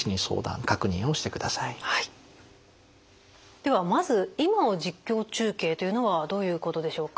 ではまず「今を実況中継」というのはどういうことでしょうか？